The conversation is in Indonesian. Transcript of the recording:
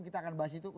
kita akan bahas itu